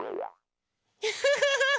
フフフフフ。